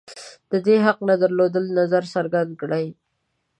د دې حق نه درلود نظر څرګند کړي